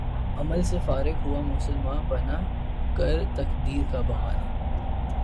عمل سے فارغ ہوا مسلماں بنا کر تقدیر کا بہانہ